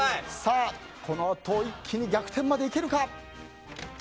このあと一気に逆転までいけるか。